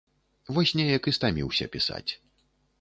Вось неяк і стаміўся пісаць.